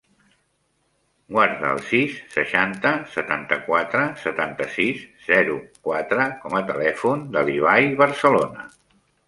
Guarda el sis, seixanta, setanta-quatre, setanta-sis, zero, quatre com a telèfon de l'Ibai Barcelona.